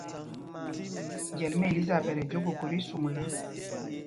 Njɛl mí Elisaɓɛt á jüe kokō tí suŋla.